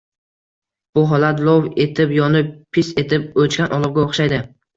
Bu holat lov etib yonib, pis etib o‘chgan olovga o‘xshaydi.